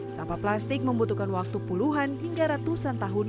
sampah plastik membutuhkan waktu puluhan hingga ratusan tahun